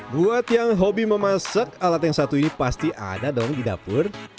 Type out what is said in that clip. buat yang hobi memasak alat yang satu ini pasti ada dong di dapur